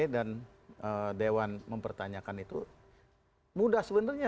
dan dewan mempertanyakan itu mudah sebenarnya